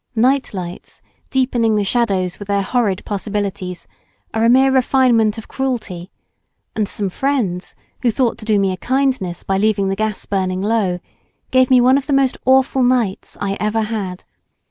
Night lights, deepening the shadows with their horrid possibilities are a mere refinement of cruelty, and some friends who thought to do me a kindness by leaving the gas burning low gave me one of the most awful nights I ever had.